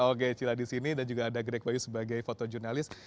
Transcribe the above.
oke cil ada di sini dan juga ada greg waiw sebagai fotojurnalis